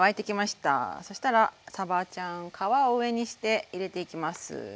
そしたらさばちゃん皮を上にして入れていきます。